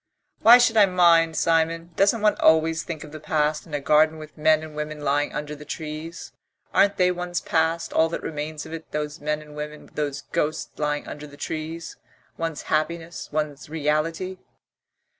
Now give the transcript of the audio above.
"Why should I mind, Simon? Doesn't one always think of the past, in a garden with men and women lying under the trees? Aren't they one's past, all that remains of it, those men and women, those ghosts lying under the trees, ... one's happiness, one's reality?"